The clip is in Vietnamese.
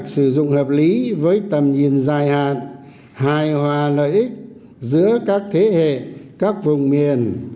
sử dụng hợp lý với tầm nhìn dài hạn hài hòa lợi ích giữa các thế hệ các vùng miền